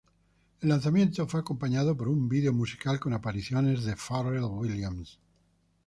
El lanzamiento fue acompañado por un video musical con apariciones de Pharrell Williams.